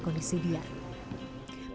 kami berhasil untuk menjalani pemeriksaan